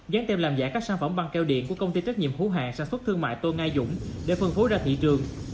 dán tem làm giả các sản phẩm băng keo điện của công ty trách nhiệm hữu hạng sản xuất thương mại tô nga dũng để phân phối ra thị trường